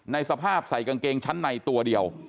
สภาพใส่กางเกงชั้นในตัวเดียว